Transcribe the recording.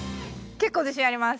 結構自信あります。